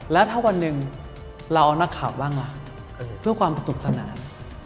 แล้วถ้าวันหนึ่งเราเอานักข่าวบ้างล่ะเพื่อความสนุกสนาน